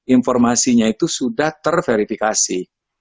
informasinya itu sudah terverifikasi